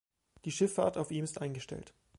Die Schifffahrt auf ihm ist eingestellt.